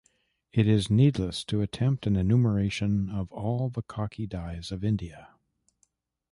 It is needless to attempt an enumeration of all the khaki dyes of India.